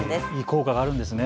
効果があるんですね。